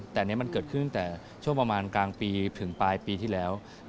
แต่อันนี้มันเกิดขึ้นตั้งแต่ช่วงประมาณกลางปีถึงปลายปีที่แล้ว